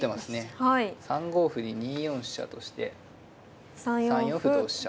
３五歩に２四飛車として３四歩同飛車。